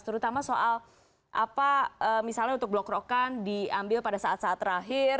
terutama soal apa misalnya untuk blok rokan diambil pada saat saat terakhir